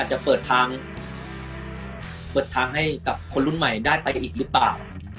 จะเปิดทางเปิดทางให้กับคนรุ่นใหม่ได้ไปอีกหรือเปล่า